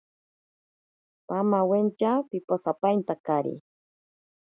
Pamawentya piposapaintakari.